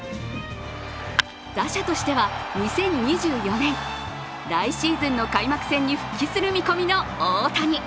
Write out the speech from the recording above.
打者としては２０２４年、来シーズンの開幕戦に復帰する見込みの大谷。